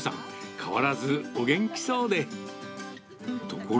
変わらずお元気そうで。